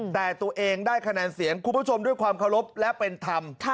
แต่ตัวเองได้คะแนนเสียงคุณผู้ชมด้วยความเคารพและเป็นธรรม